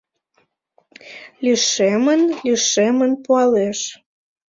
Лишемын-лишемын пуалеш.